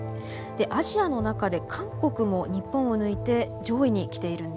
でアジアの中で韓国も日本を抜いて上位に来ているんです。